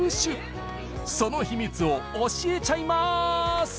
そのヒミツを教えちゃいます！